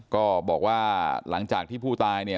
ก็บอกว่าหลังจากที่ผู้ตายเนี่ย